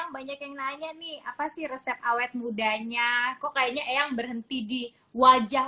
banyak yang nanya nih apa sih resep awet mudanya kok kayaknya eyang berhenti di wajah